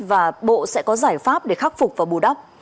và bộ sẽ có giải pháp để khắc phục và bù đắp